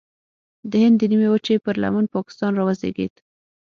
د هند د نیمې وچې پر لمن پاکستان راوزېږید.